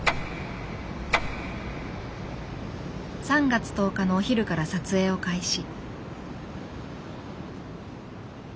３月１０日のお昼から撮影を開始。